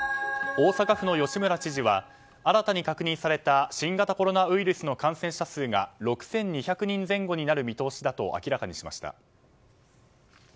大阪府の吉村知事は新たに確認された新型コロナウイルスの感染者数が６２００人前後になる見通しだと明らかにしました。